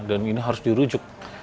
dan ini harus dirujuk